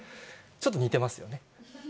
ちょっと似てますよね。